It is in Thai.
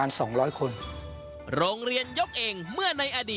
อ่า